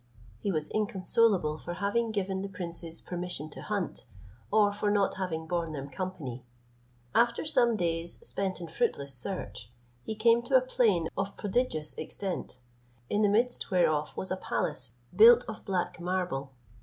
He was inconsolable for having given the princes permission to hunt, or for not having borne them company. After some days spent in fruitless search, he came to a plain of prodigious extent, in the midst whereof was a palace built of black marble.